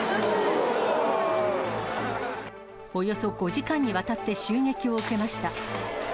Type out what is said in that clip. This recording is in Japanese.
およそ５時間にわたって襲撃を受けました。